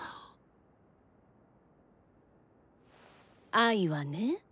「愛」はね